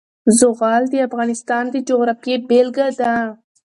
زغال د افغانستان د جغرافیې بېلګه ده.